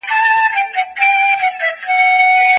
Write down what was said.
په سړک کي بايد انسان ځان ته پام وکړي.